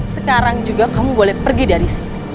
sekarang juga kamu boleh pergi dari sini